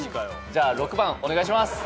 じゃあ６番お願いします。